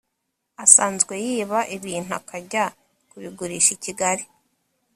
asanzwe yiba ibintu akajya kubigurisha i Kigali